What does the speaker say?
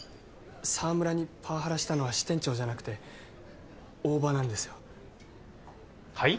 沢村にパワハラしたのは支店長じゃなくて大庭なんですよはい？